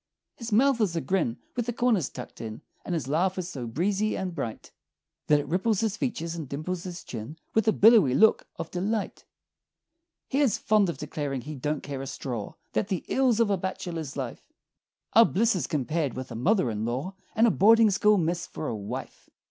His mouth is a grin with the corners tucked in And his laugh is so breezy and bright That it ripples his features and dimples his chin With a billowy look of delight. He is fond of declaring he "don't care a straw" That "the ills of a bachelor's life Are blisses compared with a mother in law, And a boarding school miss for a wife!"